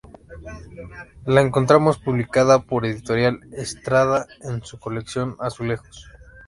La encontramos publicada por Editorial Estrada en su Colección Azulejos.